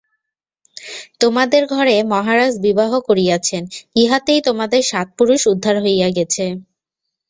তোমাদের ঘরে মহারাজ বিবাহ করিয়াছেন, ইহাতেই তোমাদের সাত পুরুষ উদ্ধার হইয়া গেছে।